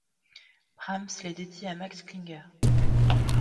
Brahms les dédie à Max Klinger.